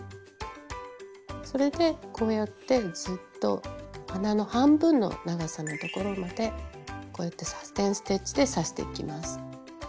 それでこうやってずっと鼻の半分の長さのところまでこうやってサテン・ステッチで刺していきます。